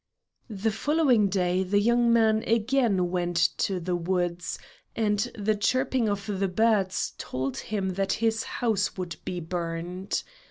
The following day the young man again went to the woods, and the chirping of the birds told him that his house would be burned.